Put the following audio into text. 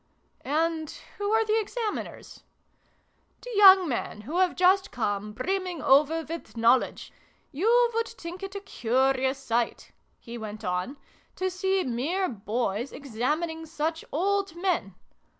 " And who are the Examiners ?"" The young men who have just come, brimming over with knowledge. You would think it a curious sight," he went on, " to see mere boys examining such old men.